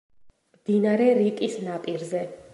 მდინარე რიკის ნაპირზე.